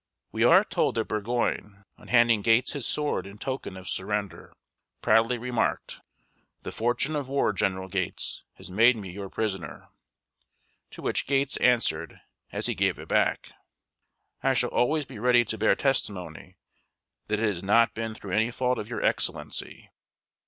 We are told that Burgoyne, on handing Gates his sword in token of surrender, proudly remarked: "The fortune of war, General Gates, has made me your prisoner"; to which Gates answered, as he gave it back: "I shall always be ready to bear testimony that it has not been through any fault of your Excellency."